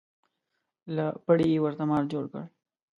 له پړي یې ورته مار جوړ کړ.